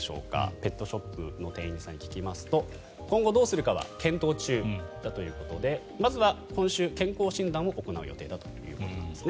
ペットショップの店員さんに聞きますと今後どうするかは検討中だということでまずは今週、健康診断を行う予定だということです。